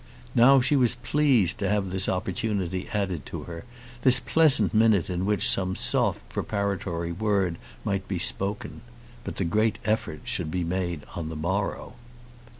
Now she was pleased to have this opportunity added to her; this pleasant minute in which some soft preparatory word might be spoken; but the great effort should be made on the morrow.